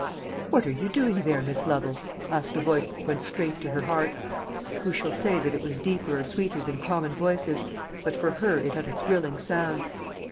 "What are you doing there, Miss Lovel?" asked a voice that went straight to her heart. Who shall say that it was deeper or sweeter than, common voices? but for her it had a thrilling sound.